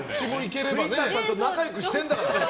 栗田さんと仲良くしてるんだから。